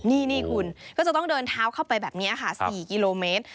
นี่คุณก็จะต้องเดินเท้าเข้าไปแบบนี้ค่ะ๔กิโลเมตร